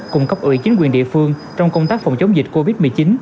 cung cấp ủy chính quyền địa phương trong công tác phòng chống dịch covid một mươi chín